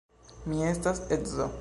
Mi estas edzo.